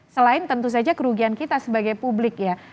selain tentu saja kerugian kita sebagai publik ya